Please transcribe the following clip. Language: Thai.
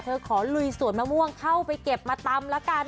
ขอลุยสวนมะม่วงเข้าไปเก็บมาตำละกัน